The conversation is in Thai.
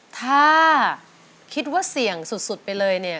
ถ้าคิดว่าเสี่ยงสุดไปเลยเนี่ย